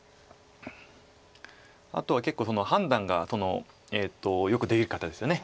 あとは結構判断がよくできる方ですよね。